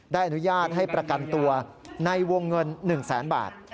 ได้อนุญาตให้ประกันตัวในวงเงิน๑๐๐๐๐๐บาท